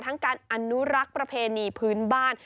การอนุรักษ์ประเพณีพื้นบ้าน